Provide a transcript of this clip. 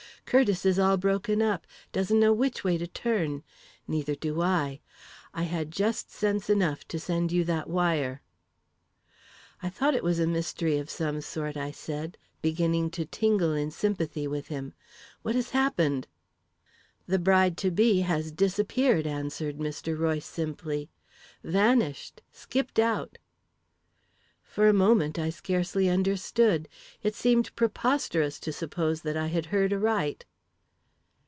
Curtiss is all broken up doesn't know which way to turn. Neither do I. I had just sense enough to send you that wire." "I thought it was a mystery of some sort," I said, beginning to tingle in sympathy with him. "What has happened?" "The bride to be has disappeared," answered Mr. Royce simply; "vanished skipped out!" For a moment, I scarcely understood. It seemed preposterous to suppose that I had heard aright.